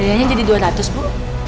biayanya jadi dua ratus bu